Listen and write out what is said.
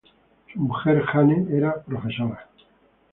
Su mujer, Jane, era profesora.